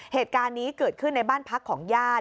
เหตุการณ์นี้เกิดขึ้นในบ้านพักของญาติ